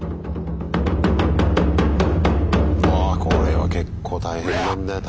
これは結構大変なんだよ